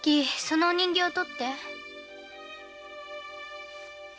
そのお人形とって。